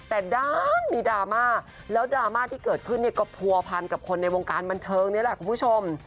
แต่ด้านมีดราม่าแล้วดราม่าที่เกิดขึ้นเนี่ยก็ผัวพันกับคนในวงการบันเทิงนี่แหละคุณผู้ชม